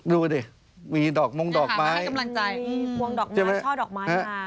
ดูดิมีดอกมงดอกไม้มีดอกมงดอกไม้ช่อดอกไม้